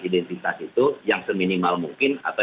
identitas itu yang seminimal mungkin atau